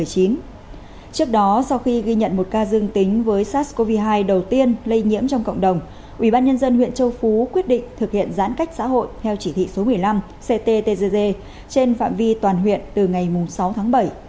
trước đó sau khi ghi nhận một ca dương tính với sars cov hai đầu tiên lây nhiễm trong cộng đồng ubnd huyện châu phú quyết định thực hiện giãn cách xã hội theo chỉ thị số một mươi năm cttg trên phạm vi toàn huyện từ ngày sáu tháng bảy